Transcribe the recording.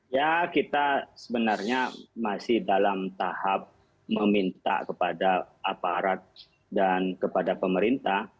ya kita sebenarnya masih dalam tahap meminta kepada aparat dan kepada pemerintah